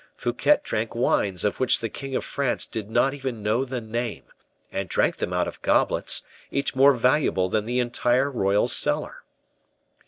Fouquet drank wines of which the king of France did not even know the name, and drank them out of goblets each more valuable than the entire royal cellar.